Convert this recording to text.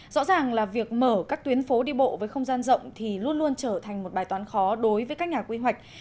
rõ ràng là việc mở các tuyến phố đi bộ với không gian rộng thì luôn luôn trở thành một bài toán khó đối với các nhà quy hoạch